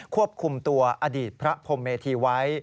ควบคุมตัวอดีตพระพรมเมธีไว้